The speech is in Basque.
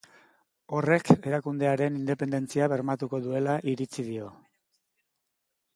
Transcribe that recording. Horrek, erakundearen independentzia bermatuko duela iritzi dio.